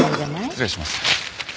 失礼します。